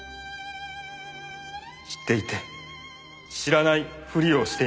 知っていて知らないふりをしていました。